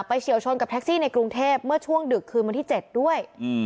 เฉียวชนกับแท็กซี่ในกรุงเทพเมื่อช่วงดึกคืนวันที่๗ด้วย